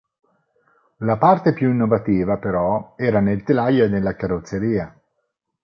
La parte più innovativa, però, era nel telaio e nella carrozzeria.